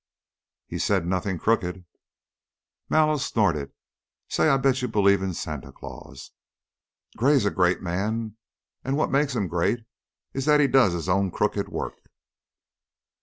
"He said 'nothing crooked' " Mallow snorted. "Say, I bet you believe in Santa Claus! Gray's a great man, and what makes him great is that he does his own crooked work."